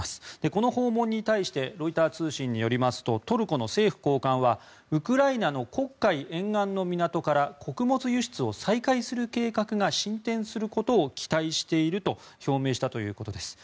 この訪問に対してロイター通信によりますとトルコの政府高官はウクライナの黒海沿岸の港から穀物輸出を再開する計画が進展することを期待していると表明したということです。